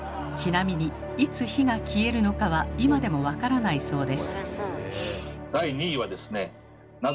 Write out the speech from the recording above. ちなみにいつ火が消えるのかは今でも分からないそうです。